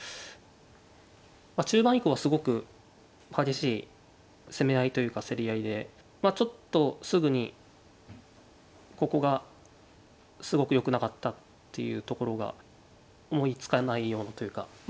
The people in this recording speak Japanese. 中盤以降はすごく激しい攻め合いというか競り合いでまあちょっとすぐにここがすごくよくなかったっていうところが思いつかないようなというかまあ